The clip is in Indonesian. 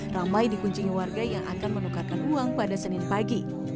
ramai dikunjungi warga yang akan menukarkan uang pada senin pagi